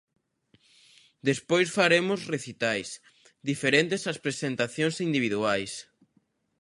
Despois faremos recitais, diferentes ás presentacións individuais.